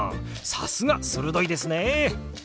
さすが鋭いですね！